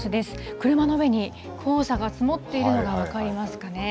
車の上に黄砂が積もっているのが分かりますかね。